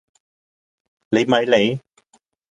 你咪理